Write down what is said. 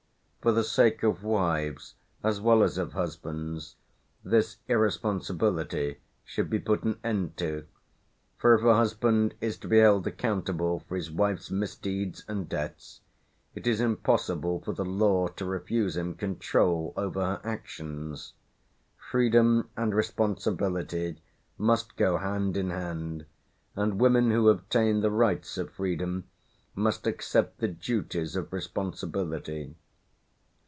For the sake of wives, as well as of husbands, this irresponsibility should be put an end to, for if a husband is to be held accountable for his wife's misdeeds and debts, it is impossible for the law to refuse him control over her actions; freedom and responsibility must go hand in hand, and women who obtain the rights of freedom must accept the duties of responsibility.